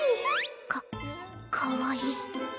かかわいい